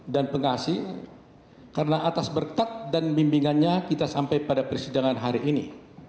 dan pengasih karena atas berkat dan bimbingannya kita sampai pada persidangan hari ini